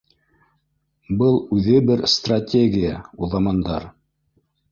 Был үҙе бер стратегия, уҙамандар